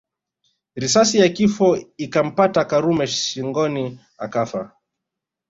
Risasi ya kifo ikampata Karume shingoni akafa